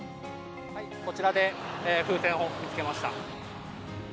こちらで風船を見つけました。